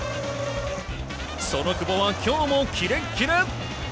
その久保は今日もキレッキレ！